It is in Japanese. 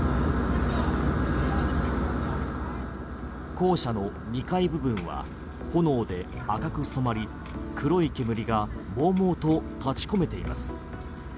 校舎の２階部分は炎で赤く染まり黒い煙がもうもうと立ち込めています。